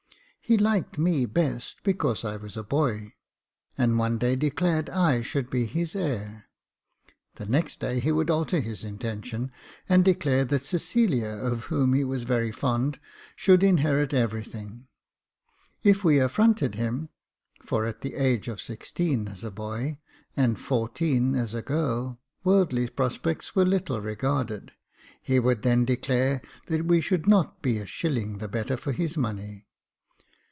He liked me best because I was a boy, and one day declared I should be his heir. The next day he would alter his intention, and declare that Cecilia, of whom he was very fond, should inherit every thing. If we affronted him, for at the age of sixteen as a boy, and fourteen as a girl, worldly prospects were little regarded, he would then declare that we should not be a shilling the better for his money.